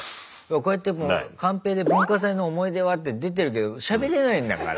こうやってカンペで「文化祭の思い出は？」って出てるけどしゃべれないんだから。